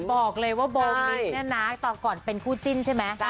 บอกเลยว่าโบมิกเนี่ยนะตอนก่อนเป็นคู่จิ้นใช่ไหม